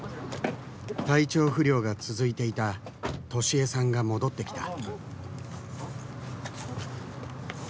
体調不良が続いていた登志枝さんが戻ってきた。